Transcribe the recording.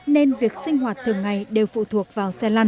nên việc sinh hoạt thường ngày đều phụ thuộc vào thương binh